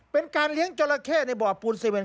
เป็นการเลี้ยงจอละเข้ในบ่อปูน๗